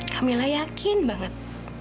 kamilah yakin banget